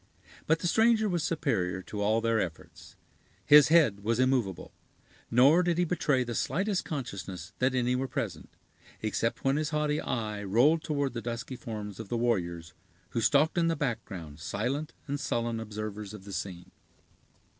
But the stranger was superior to all their efforts. His head was immovable; nor did he betray the slightest consciousness that any were present, except when his haughty eye rolled toward the dusky forms of the warriors, who stalked in the background silent and sullen observers of the scene.